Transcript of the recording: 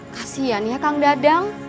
kasian ya kang dadang